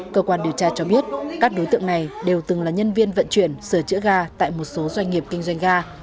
cơ quan điều tra cho biết các đối tượng này đều từng là nhân viên vận chuyển sửa chữa ga tại một số doanh nghiệp kinh doanh ga